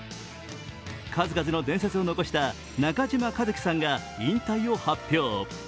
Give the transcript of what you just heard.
数々の伝説を残した中嶋一貴さんが引退を発表。